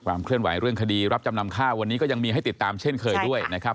เคลื่อนไหวเรื่องคดีรับจำนำข้าววันนี้ก็ยังมีให้ติดตามเช่นเคยด้วยนะครับ